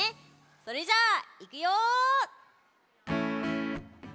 それじゃいくよ！